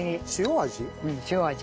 塩味？